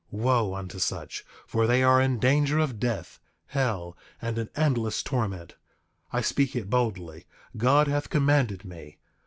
8:21 Wo unto such, for they are in danger of death, hell, and an endless torment. I speak it boldly; God hath commanded me.